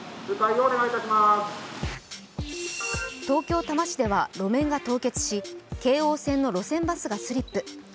東京・多摩市では路面が凍結し京王線の路線バスがスリップ。